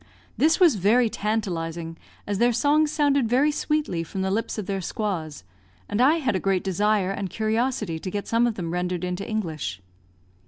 This was very tantalising, as their songs sounded very sweetly from the lips of their squaws, and I had a great desire and curiosity to get some of them rendered into English.